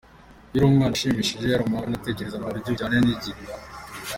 Iyo ari umwana aba ashimishije, ari umuhanga kandi atekereza mu buryo butajyanye n’igihe.